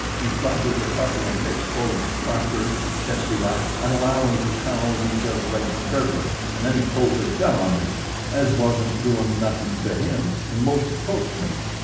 "He flashes a couple o' mitsful of sparklers, chesty like, and allows as how he's a regular burglar. Then he pulls a gun on me, as wasn't doin' nothin' to him, and 'most croaks me.